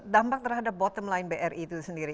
dampak terhadap bottom line bri itu sendiri